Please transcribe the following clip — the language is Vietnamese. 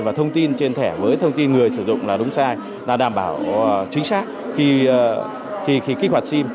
và thông tin trên thẻ với thông tin người sử dụng là đúng sai là đảm bảo chính xác khi kích hoạt sim